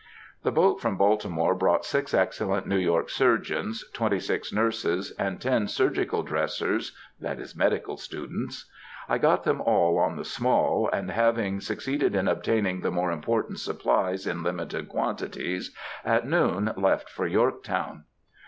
The boat from Baltimore brought six excellent New York surgeons, twenty six nurses, and ten surgical dressers (medical students). I got them all on the Small, and having succeeded in obtaining the more important supplies in limited quantities, at noon left for Yorktown.